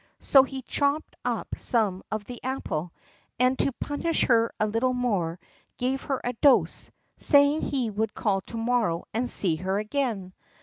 So he chopped up some of the apple, and, to punish her a little more, gave her a dose, saying he would call to morrow and see her again.